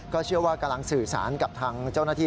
เชื่อว่ากำลังสื่อสารกับทางเจ้าหน้าที่